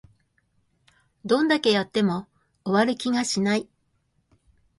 どんだけやっても終わる気がしない